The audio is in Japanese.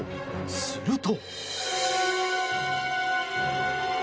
すると。